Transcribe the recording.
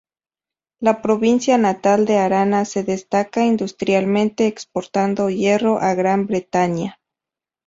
La provincia natal de Arana se destaca industrialmente exportando hierro a Gran Bretaña.